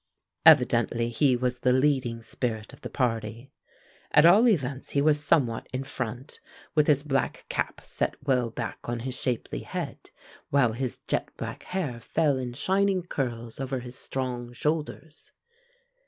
Evidently he was the leading spirit of the party. At all events he was somewhat in front, with his black cap set well back on his shapely head, while his jet black hair fell in shining curls over his strong shoulders.